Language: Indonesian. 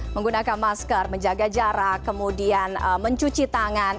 menggunakan masker menjaga jarak kemudian mencuci tangan